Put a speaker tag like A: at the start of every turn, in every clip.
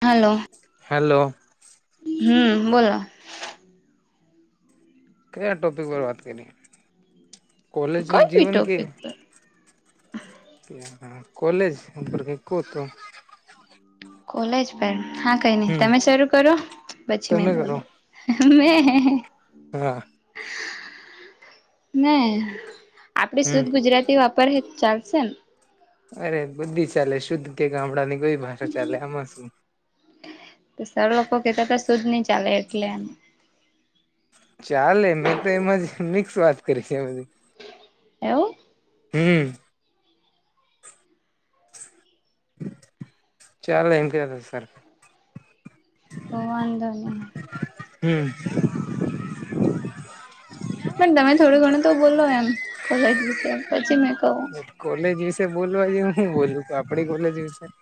A: Hello!
B: Hello!
A: હમ બોલો!
B: કયા ટોપિક પર વાત કરી કોલેજ
A: કઈ બી
B: જીવન કે
A: ટોપિક પર
B: કોલેજ ઉપર ગ કો તો
A: કોલેજ પર હા કઈ નહી
B: હમ
A: તમે શરૂ કરો, પછી મેં
B: તમે કરો
A: બોલો મે?
B: હા
A: ના આપડ
B: હમ
A: શુદ્ધ ગુજરાતી વાપ ઉપર હ જ ચાલશે?
B: અરે બુદધી ચાલે શુદ્ધ કે ગામડાંની કોઈ ભાષા ચાલે આમાં શું?
A: સર લોકો કેતા તો સુદ્ નહ ચાલે એટલે એમ.
B: ચાલે મેં તો એમાં જ મિક્સ વાત કરી છે બધી
A: એવું?
B: હમ ચાલો એમ કે હતા સર
A: તો વાંધો ન
B: હમ!
A: પણ તમે થોડું ઘણું તો બોલો એમ કોલેજ વિશે પછી મેં કહું
B: કોલેજ વિશે બોલવાજ હું બોલું કે આપડી કોલેજ વિશે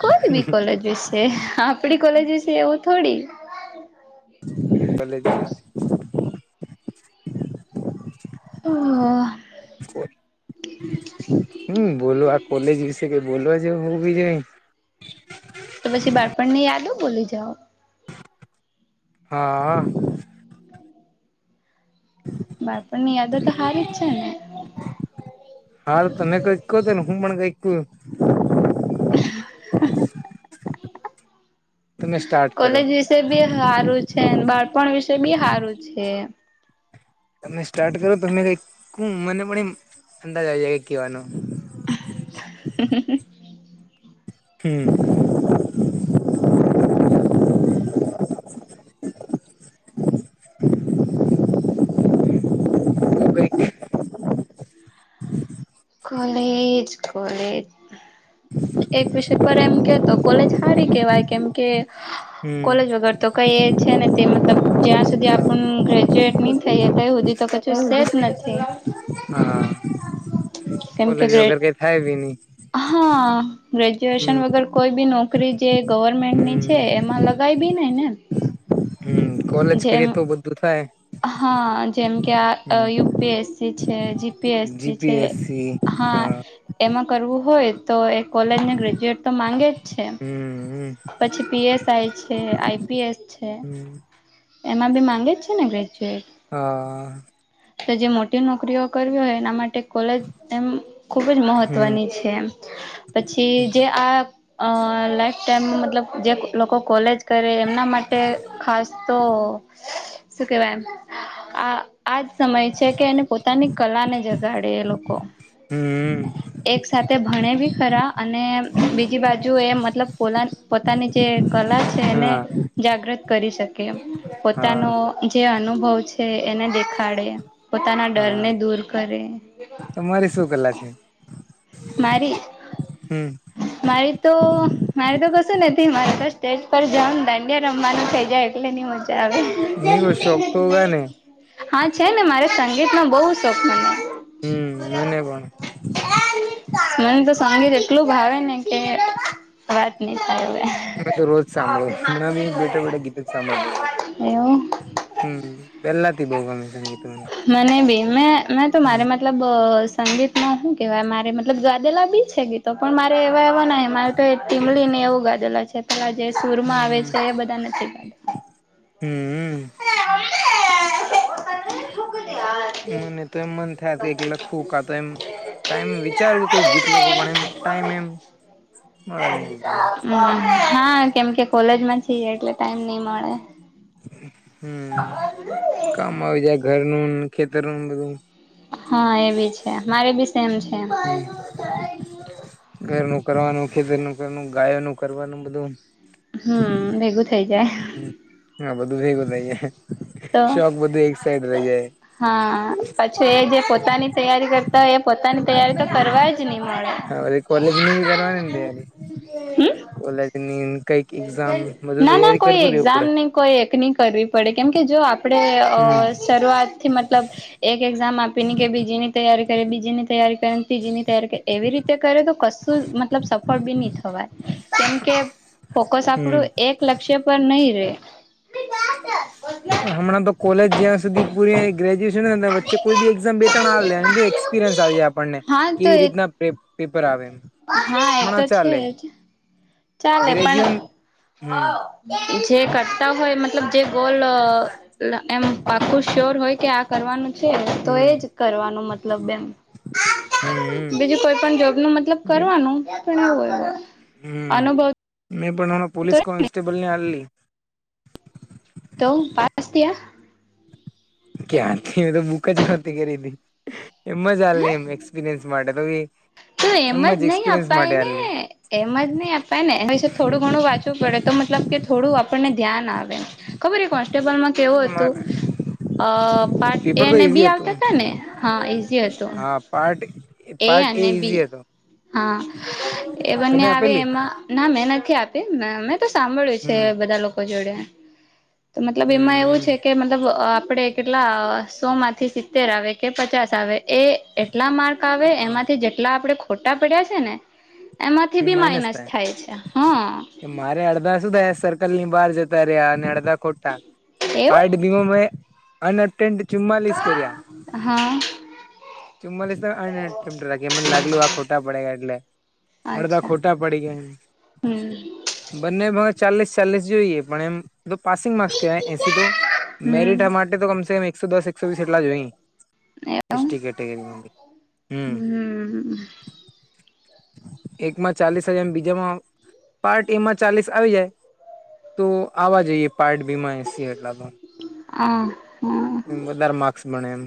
A: કોઈ બી કોલેજ વિશે આપડી કોલેજ વિશે એવું થોડી
B: ભલે જ,
A: હ
B: હમ બોલો આ કોલે જ વિશે કે બોલો જે હું બ જ?
A: તો પછી બાળપણ ની યાદ હો બોલી જાઓ.
B: હા
A: બાળપણ ની યાદો તો હારી જ છે ને.
B: હા તને કઈ કહ તને હું પણ કઈક ક
A: [unintelligible]
B: તમે સ્ટાર્ટ કરો
A: કોલેજ વિશે બી સારું છે. છે ન બાળપણ વિશે બી હારું છે.
B: તમે સ્ટાર્ટ કરો તમે કઈક મને પણ એ અંદાજ આવી જાય ક કહેવાનો.
A: હ
B: હું.
A: College college. એક વિષય પર એમ કેતો કોલેજ હારી કેવાય કેમ. કે
B: હમ્મ
A: કોલેજ વગર તો કઈ. છે ને તે મતલબ જ્યાં સુધી આપણ ગ્રેજ્યુએટ ની થઈ. તે હુધી તો કછું સે જ નથી.
B: હા
A: કેમ કે
B: કોલેજ
A: ગ્રે
B: વગર કઈ થાય ભી ની.
A: હા. ગ્રેજ્યુએશન વગર કોઈ બી નોકરી જે ગવર્મેન્ટની છે એમાં લગાવી બી નેને.
B: હમ.
A: જેમ હા જેમ કે આ અ
B: હમ્મ
A: યુપીએસસી છે જી પીએસી છે હા. એમાં કરવું હોય તો એ કોલેજને ગ્રેજ્યુએટ તો માંગે જ છે.
B: હું હું.
A: પછી પીએસઆઈ છે આઈપીએસ છે.
B: હમ્મ
A: એમાં બી માંગે જ છે ને ગ્રેજ્યુએટ.
B: હા.
A: તો જે મોટી નોકરીઓ કરવી હોય એના માટે કોલેજ એમ ખુબ જ
B: હમ્મ
A: મહત્વની છે. તેમ પછી જે આ અ લાફ. તેમમ મતલબ જે લોકો કોલેજ કરે એમના માટે ખાસ તો. સુ કેવાય આ આજ. સમય છે કે એને પોતાની કલા ને જગાડે એ લોકો
B: હમ.
A: એક સાથે ભણે બી ખરા અને બીજી બાજુ એ મતલબ પોલા પોતાની જે કલા છે એને
B: હા
A: જાગૃત કરી શકે
B: હા
A: પોતાનો જે અનુભવ છે એને દેખાડે પોતાના ડરને દૂર કરે.
B: તમારે શું કલા છે.
A: મારી
B: મેં
A: મારી તો મારે તો કશું નથી મારે તો સ્ટેજ પર જાવ ને દાંડિયા રમવાનું થઇ જાય એટલે ની મજા આવે.
B: નનીવ શોક તો ગા નને
A: હા છે ને મારે સંગીતનો બહુ શોખ મને.
B: હમ મને પણ
A: મને તો સંગીત એટલું ભાવે ને કે વાત નહી થવે.
B: મેં તો રોજ સાંભળું હમણાં બી બેઠા બેઠા ગીત જ સાંભળતો.
A: એવું
B: હમ પેલાથી બહુ ગમે છે સંગીત મને.
A: મને બી મેં મેં તો મારે મતલબ સંગીતમાં શું કેહેવાય મારે મતલ ગાદેલા બી છે ગીતો પણ મારે એવા એવા ન મારે તો ટીમલી ને એવું ગાધેલા છે. ઓલા જે સૂરમાં આવે છે એ બધા નથી.
B: હું હું. મને તો એમ મન થાએ કે કાયક લખું કા તો એમ. ટાઈમ વિચારું કે કોઈ ગીત લખુ પણ એમ ટાઈમ એમ મળે નહી.
A: હમ હા કેમ કે કોલેજમાં છીયે એટલે ટાઈમ નહી મળે.
B: હમ કામ આવી જાય ઘર નું ખેતર નુ બધું.
A: હા એ બી છે મારે બી સેમ છે
B: હમ. ઘરનું કરવાનું ખેતરનું કરવાનું ગાયો નું કરવાનું બધું.
A: હા ભેગું થઇ જાય.
B: હા બધું ભેગું થઈ જાય
A: તો
B: શોક બધું એક સાઈડ રહી જાય.
A: હા પછી એ જે પોતાની તૈયારી કરતા હોય એ પોતાની તૈયારી તો
B: હમ
A: કરવા જ ચ મને
B: હા કોલેજ ની
A: હમ
B: ઓલા કઈ એક્ઝામ બધું
A: ના ના
B: તૈયારી
A: કોઈ
B: કરતું રહેવું પડે
A: એક્ઝામ ની કોઈ એક નહી, કરવી પડે કેમકે જો આપડે અ
B: હમ
A: શરૂઆત થી મતલબ એક એક્ઝામ આપીને કે બીજીની તૈયારી કરે બીજીની તૈયારી કરે ની ત એવી રીતે કરે તો કશું મતલબ સફળ બી નહી થવાય કેમકે ફોકસ
B: હમ
A: આપડું એક લક્ષ્ય પર નહી રે
B: હમણાં તો કોલેજ જ્યાં સુધી પૂરી ગ્રેજ્યુએન ને વચ્ચે કોઈ બી એક્ઝામ બે ત્ર હાલ લે એપિરયન્સ આવી જાય આપણને
A: હા તો
B: કેવી
A: એ
B: રીતના પેપર આવે એમ
A: હા એ તો
B: હમણાં
A: છે
B: ચાલે
A: જ ચાલે
B: ગ્રેજ્યુએન હમ
A: પણ જે કરતા હોય મતલબ જે ગોલ એમ પાખું શ્યોર હોય કે આ કરવાનું છેને તો
B: હમ
A: એજ કરવાનું મતલબ એમ
B: હમ
A: બીજું કોઈ પણ જોબ નું મતલબ કરવાનું પણ એવું હોય.
B: હમ મેં પણ હણા પોલીસ કોન્સ્ટેબલ ને હલી.
A: તો પાસ્યા
B: ક્યાંથી તો બૂક જ નહતી કરીરી હતી. એમ જાલ ન એમ એક્સપિરિયન્સ માટે તો ભી
A: તો એમ જ નહી અપાય ને એમ જ નહી, અપાય ને થોડું ઘણું વાંચવું પડે તો મતલબ કે થોડું આપણને ધ્યાન આવે ખબર કોન્સ્ટેબલમાં કેવું હતુ. અ પાર્ટ એ
B: પેપર તો
A: ને બી
B: ઈઝી
A: આવતા
B: હતું
A: હતા ને હા ઈઝી હતી.
B: હા પાાર્ટ
A: એ અને બી હા એ બંને
B: તમે
A: આવે
B: આપેલી
A: એમાં ના મેં નથી આપી મેં તો સાંભળ્યું છે
B: હમ
A: બધા લોકો જોડે તો મતલબ એમાં એવું
B: હમ
A: છે. કે મતલબ આપણે કેટલા સો માંથી સિત્તેર આવે કે પચાસ આવે એ એટલા માર્ક આવે
B: હા
A: એમાંથી જેટલા આપડે ખોટા પડ્યા છેને એમાંથી બી માઇનસ થાય છે હા
B: મારે અડધા શું થાય સર્કલ ની બહાર જતા રહ્યા અને અડધા ખોટા પ
A: એવું
B: નિમે અનઅટેડ ચુમ્માલીસ કર્યા
A: હા
B: ચું્ અન એટેપ્ટ રાખી મને લાગલું આ ખોટા પડે ગ એટલે અડધા
A: અચ્છા
B: ખોટા પડી ગયા.
A: હમ
B: બંને ભ ચાલીસ ચાલીસ જોઈએ પણ એમ તો પાસિંગ માર્ક્સ કહેવાય એસી તો
A: હમ
B: મેરિટ માટે તો કમસે કમ એકસો દસ એકસો વીસ એટલા જોઈએ
A: એવમ
B: કેટ કે હમ
A: હમ
B: એકમાં ચાલીસ એમ બીજા માં પાર્ટ એમાં ચાલીસ આવી જાય. તો આવા જઈએ પાર્ટ બીમાં એસીી એટલા તો
A: હા હ
B: એ વધારે માર્ક્સ ભણે એમ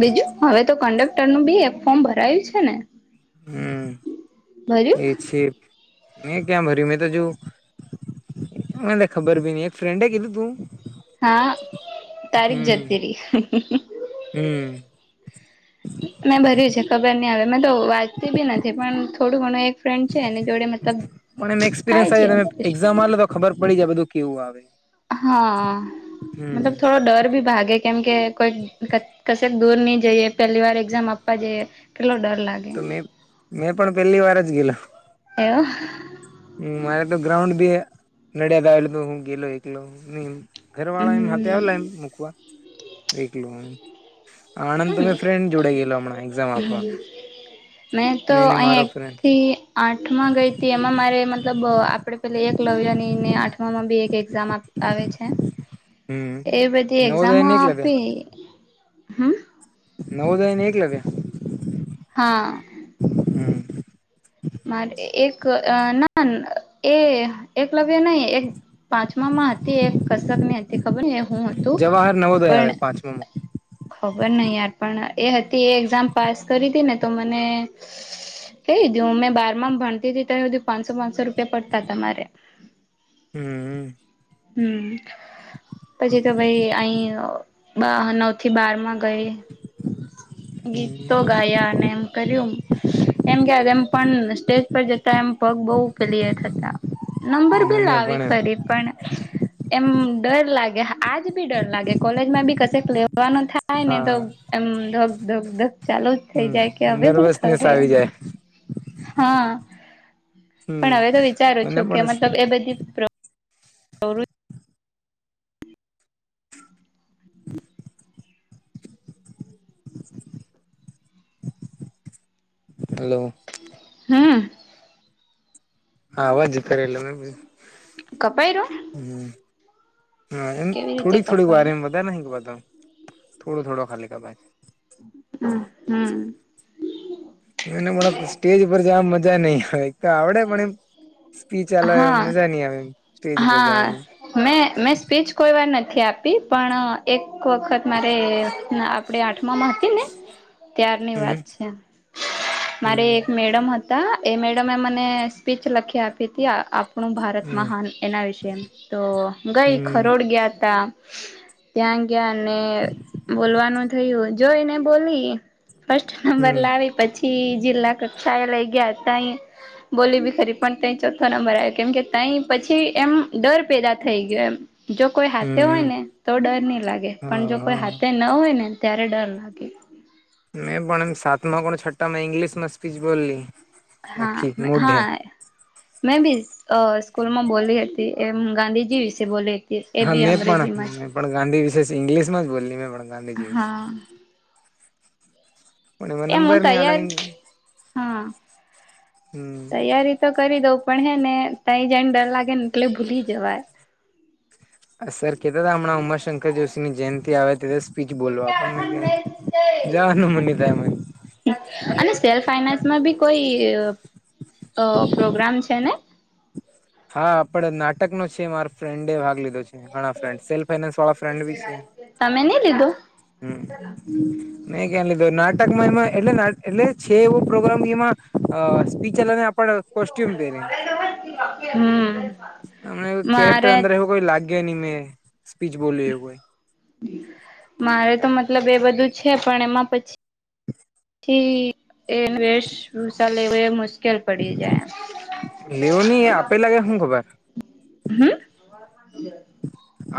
A: બીજું હવે તો કંડક્ટર નું બી એક ફોર્મ ભરાયું છે ને ભર્યું
B: હમ એ છેી મેં ક્યાં ભરી મેં તો જો મને ખબર ભી નઈ એક ફ્રેન્ડે કીધું તુ
A: હા તારીખ જાતી ર
B: હમ
A: મેં ભર્યું છે ખબર નહી આવે મેં તો વાંચતી બી નથી પણ થોડું ઘણું એક ફ્રેન્ડ છે એની જોડે મતલબ
B: પણ એમ
A: થાય
B: એક્સપિરિયન્સ આવે
A: છે.
B: તમે એક્ઝામ આલો તો ખબર પડી જાય બધું કેવું આવે
A: હા
B: હમ
A: મતલબ થોડો ડર ભી ભાગે કેમ કે કોઈક કશેક દૂર નહી જઈએ પેહેલી વાર એક્ઝામ આપવા જઈએ કેટલો ડર લાગે
B: તો મે મેં પણ પહેલી વાર જ ગેલા
A: એવ.
B: હ મારે તો ગ્રાઉન્ડ બી નડિયાદ હું ગેલો એકલો ઘર વાળા એમ
A: હમ
B: હાથે આવેલા એમ મૂકવા વલો આનંદ ત મેમે ફ્રેન્ડ જોડે ગેલો એક્ઝામ આપવા
A: મે તો
B: મેં ને
A: અહી
B: મારો ફ્રેન્ડ
A: આઠમાં ગઈ હતી એમાં મારે મતલબ આપે પે એક લવની ને આઠમામાં બી એક એક્ઝામ આવે છે.
B: હમ.
A: એ બધી એક્ઝામો
B: નવોદયને એક લગે
A: આપી હમ
B: નવ જાય ને એક લખે
A: હા. મારે એક ના એ એકલવ્ય નહી એક પાંચમા માં હતી એક કસક ની હતી ખબર હુ
B: જવાહર નવોદય આવે પાંચમામા
A: ખબર નહિ યાર પણ એ હતી એ એક્ઝામ પાસ કરી હતીી ને તો મને એી મેં બારમાં ભણતી હતીી તો એ પાંચસો પાંચસો રૂપિયા પડતા હતારે.
B: હમ
A: હમ પછી તો ભાઈ અહી નવ થી બાર માં ગઈ. ગીતો
B: હમ.
A: ગાયા અને એમ કર્યું એમ કે એમ પણ સ્ટેજ પર જતા એમ પગ બહ પલિયર થતા. નંબર બી
B: મને
A: લાવી
B: પણ એમ
A: ખરી પણ એમ ડર લાગે હા આજ બી ડર લાગે કોલેજમાં બી કશેક લેવાનું થાય ને તો
B: હા
A: એમ ધક ધક ધક ચાલો જ થઇ
B: હમ
A: જાય કે હવે હું
B: નર્વસનેસ
A: થશે એમ
B: આવી જાય.
A: હા પણ
B: હમ
A: હવે તો વિચારું
B: મને
A: છું કે
B: પણ
A: મતલબ એ બધી ..
B: હલો.
A: હમ્મ
B: હા વાજ કરેલ મેં
A: કપાય ર
B: હમ હ એમ
A: રીતે
B: થોડીક થોડીક વાર
A: કપાય
B: એમ બધા ન બધ થોડો થોડો ખાલી કા ભાઈજ
A: હમ હમ
B: એને પણ સ્ટેજ પર જવા મજા નઈ હવે એક તો આવડે પણ એમ સ્પી ચાલ એ
A: હા
B: મજા નઈ આવે એમ
A: હા મેં મેં સ્પીચ કોઈ વાર નથી આપી પણ એક વખત મારે આપણે આઠમામાં હતી ને
B: હ
A: ત્યારની વાત છે
B: હમ
A: મારે એક મેડમ હતી. હતા એ મેડમે મને સ્પીચ લખી આપી હતી આપણું ભારત
B: હમ
A: મહાન એના વિશે તો ગઈ
B: હમ
A: ખરોડ ગયા તા ત્યાં ગયા ને બોલવાનું થયું જોઈ ને બોલી. ફર્સ્ટ નંબર
B: હમ.
A: લાવી પછી જિલ્લા કક્ષાએ લઈ ગયા હતા અહી. બોલી ભીખરી પણ ત ચોથો નંબર આવ્યો કેમ કે તં પછી. એમ ડર પેદા થઈ ગયો એમ જો કોઈ હાથે હોય
B: હમ
A: ને તો ડર નહીં લાગે પણ જો કોઈ
B: હા
A: હાથે ન હોય નેને ત્યારે ડર લાગે.
B: મેં પણ એમ સાત માં કો છઠ્ઠા માં ઈંગ્લિશ માં સ્પીચ બોલલી.
A: હા હા મેં બી સ્કૂલમાં બોલી હતી એમ ગાંધીજી વિશે બોલી હતી. એ
B: હા
A: બી
B: મેં પણ
A: અંગ્રેજીમાં છે.
B: મેં પણ ગાંધી વિશેષ ઇંગ્લિશમાં જ બોલી મેં પણ ગાંધીજીશે
A: હા
B: પણ એમાં
A: એમ
B: નંબર
A: હું
B: નહી
A: તૈયાર
B: આલાઈન
A: હા
B: હમ
A: તૈયારી તો કરી દઉં પણ હે ને તંઈ જાયને ડર લાગે ને એટલે ભૂલી જવાય
B: સર કતા હતા હમણા ઉમાશંકર જોશી ની જયંતિ આવે તેસ સ્પીચ બોલવા પણ મેં ક જાનું મની થાય.
A: અને સેલ્ફ ફાઈનાન્સમાં બી કોઈ પ્રોગ્રામ છેને.
B: હા આપડ નાટક નો છે માર ફ્રેન્ડ ભાગ લીધો છે ઘણા ફ્રેન્ડ સેલ્ ફાઈનાન્સ વાળા ફ્રેન્ડ બી છે.
A: હમ.
B: મેં કે્યા લીધું નાટકમાં એમાં એટલે એટલે છે એવો પ્રોગ્રામ એમાં અ સ્પીચલ ને આપ
A: [inaudible]
B: હમને કેરેક્ટર
A: મારે
B: અંદર એવું કોઈ લાગે નઈ મેં સ્પીચ બોલ્યું એવું કોઈ
A: મારે તો મતલબ એ બધું છે પણ એમાં પછી એ વેશભૂષા લેવ એ મુશ્કેલ પડી જાય
B: લેવું નહી એ આપે લાગે શું ખબર
A: એમ હમ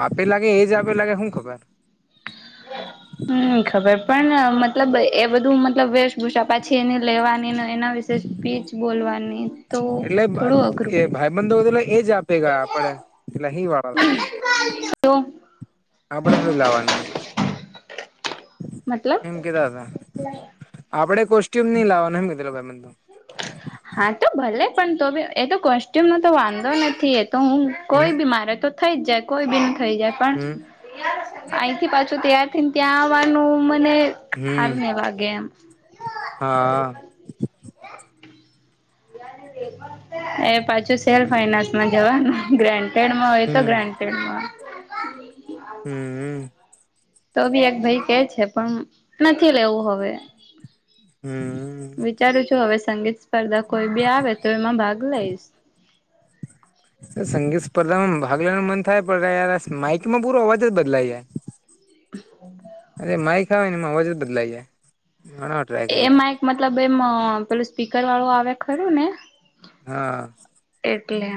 B: આપે લાગે એજ આપે લાગે હું ખબર [inaudible]
A: હમ ખબર પણ મતલબ એ બધું મતલબ વેશભૂષા પાછી એની લેવાનીને એના વિશે સ્પીચ બોલવાની તો
B: એટલે
A: થોડું અઘરું
B: એ
A: પડી જાય.
B: ભાઈ બંધલે એ જ આપે ગયા આપડે એટલે અહી વાળા લાગે
A: તો
B: આપડે થોડું લાવવાનુ
A: મતલબ
B: આપણે કોસ્ટ્યુમ નઈ લાવવાનુંનેમ કીેું ભાઈ બધુ
A: હા તો ભલે પણ તોી એ તો કોસ્ટ્યુમ નો તો વાંધો નથી એ તો હુ
B: હમ
A: કોઈ બી મારે તો થઈ જ જાય કોઈ બી ન થઈ જાય પણ
B: હમ
A: અહીં થી પાછું ત્યાર થી ને ત્યાં આવવાનું મને હાર
B: હમ
A: ને વાગે એમ
B: હા
A: એ પાછું સેલ્
B: હમ
A: ફાઈનાન્સમાં જવા ગ્રાન્ટેડમાં હોય તો
B: હમ
A: ગ્રાન તેમાં
B: હમ
A: તો બી એક ભાઈ કે છે પણ નથી લેવું હવે
B: હમ
A: વિચારું છું હવે સંગીત સ્પર્ધા કોઈ બી આવે તો એમાં ભાગ લઈશ
B: સંગીત સ્પર્ધામાં ભાગ લેવાનું મન થાય પણ ય માઇકમાં પૂરો અવાજ જ બદલાઈ જાય. અરે માઈ ખ ને વજ બદલાઈ જાય ઘણા
A: એમાં એક મતલબ એમ પેલું સ્પીકર વાળું આવે ખરું ને
B: હા
A: એટલે